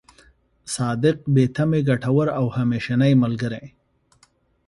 صادق، بې تمې، ګټور او همېشنۍ ملګری.